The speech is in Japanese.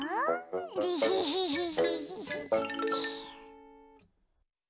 デヘヘヘヘ。